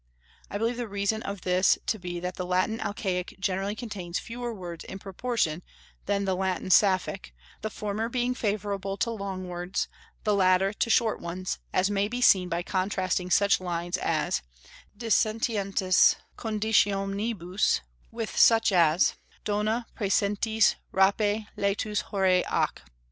I believe the reason of this to be that the Latin Alcaic generally contains fewer words in proportion than the Latin Sapphic, the former being favourable to long words, the latter to short ones, as may be seen by contrasting such lines as "Dissentientis conditionibus" with such as "Dona praesentis rape laetus horae ac."